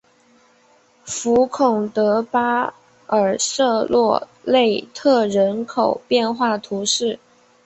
福孔德巴尔瑟洛内特人口变化图示